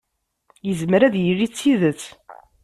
Yezmer ad yili d tidet.